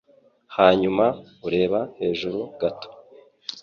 Hanyuma ureba hejuru gato